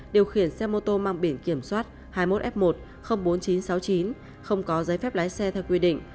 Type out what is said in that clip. điều khiển xe mô tô mang biển kiểm soát hai mươi một f một bốn nghìn chín trăm sáu mươi chín không có giấy phép lái xe theo quy định